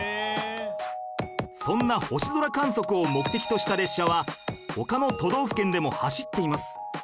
そんな星空観測を目的とした列車は他の都道府県でも走っています